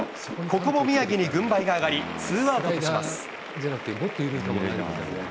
ここも宮城に軍配が上がり、ツーアウトとします。